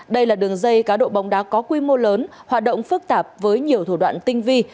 đây là đường dây cá độ bóng đá có quy mô lớn hoạt động phức tạp với nhiều thủ đoạn tinh vi